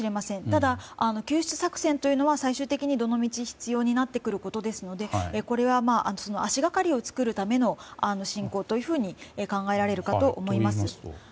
ただ、救出作戦というのは最終的にどのみち必要になってくることですのでこれは、足掛かりを作るための侵攻というふうに考えられるかと思います。